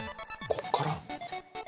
こっから？